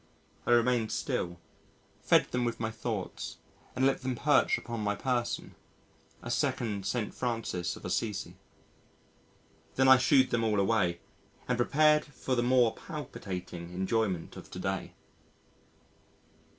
I remained still, fed them with my thoughts and let them perch upon my person a second St. Francis of Assisi. Then I shoo'ed them all away and prepared for the more palpitating enjoyment of to day.